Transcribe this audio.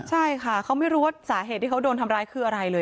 ใช่ค่ะเขาไม่รู้ว่าสาเหตุที่เขาโดนทำร้ายคืออะไรเลย